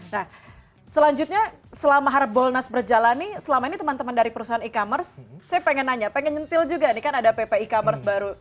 nah selanjutnya selama harbolnas berjalani selama ini teman teman dari perusahaan e commerce saya pengen nanya pengen nyentil juga ini kan ada pp e commerce baru